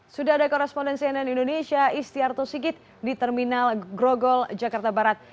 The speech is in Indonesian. sudah ada korespondensi nn indonesia istiarto sigit di terminal grogol jakarta barat